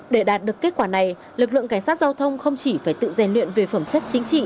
để đạt được kết quả này lực lượng cảnh sát giao thông không chỉ phải tự rèn luyện về phẩm chất chính trị